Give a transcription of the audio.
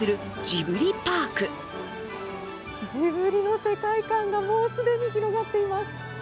ジブリの世界観がもう既に広がっています。